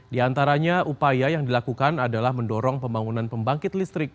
di antaranya upaya yang dilakukan adalah mendorong pembangunan pembangkit listrik